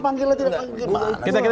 panggilnya tidak panggil